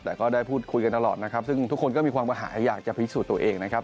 แต่ก็ได้พูดคุยกันตลอดนะครับซึ่งทุกคนก็มีความประหาอยากจะพิสูจน์ตัวเองนะครับ